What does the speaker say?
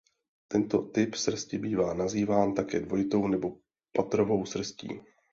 Tento typ srsti bývá nazýván také dvojitou nebo patrovou srstí.